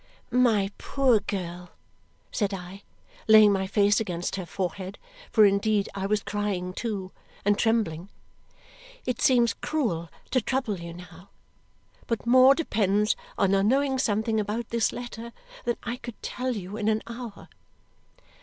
"My poor girl," said I, laying my face against her forehead, for indeed I was crying too, and trembling, "it seems cruel to trouble you now, but more depends on our knowing something about this letter than I could tell you in an hour."